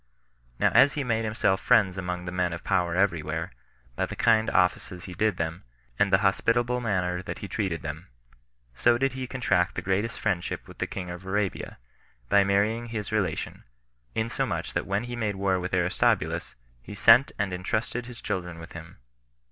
Now as he made himself friends among the men of power every where, by the kind offices he did them, and the hospitable manner that he treated them; so did he contract the greatest friendship with the king of Arabia, by marrying his relation; insomuch that when he made war with Aristobulus, he sent and intrusted his children with him.